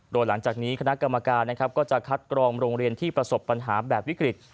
โดยหลังจากนี้คณะกรรมการนะครับก็จะคัดกรองโรงเรียนที่ประสบปัญหาแบบวิกฤต